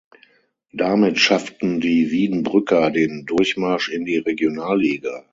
Damit schafften die Wiedenbrücker den Durchmarsch in die Regionalliga.